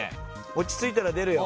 落ち着いたら出るよ。